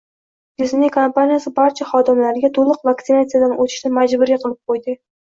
Disney kompaniyasi barcha xodimlariga to‘liq vaksinatsiyadan o‘tishni majburiy qilib qo‘ydi